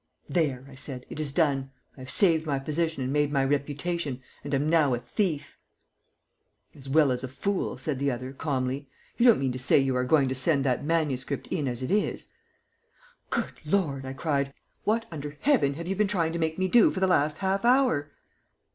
"There!" I said. "It is done. I have saved my position and made my reputation, and am now a thief!" [Illustration: "DOESN'T DARE TO LOOK ME IN THE EYE"] "As well as a fool," said the other, calmly. "You don't mean to say you are going to send that manuscript in as it is?" "Good Lord!" I cried. "What under heaven have you been trying to make me do for the last half hour?"